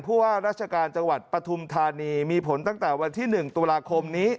ว่าราชการจังหวัดปฐุมธานีมีผลตั้งแต่วันที่๑ตุลาคมนี้